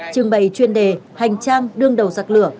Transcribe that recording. trưng bày chuyên đề hành trang đương đầu giặc lửa